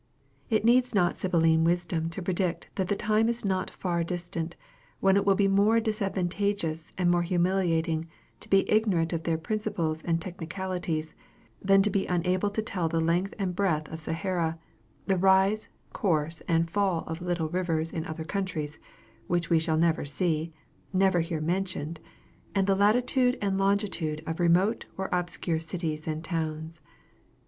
It needs not Sibylline wisdom to predict that the time is not far distant when it will be more disadvantageous and more humiliating to be ignorant of their principles and technicalities, than to be unable to tell the length and breadth of Sahara, the rise, course and fall of little rivers in other countries, which we shall never see, never hear mentioned and the latitude and longitude of remote or obscure cities and towns.